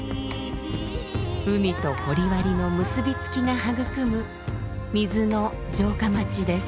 海と掘割の結び付きが育む水の城下町です。